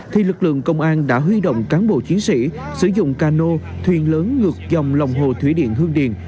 thì lực lượng công an đã huy động cán bộ chiến sĩ sử dụng cano thuyền lớn ngược dòng lòng hồ thủy điện hương điền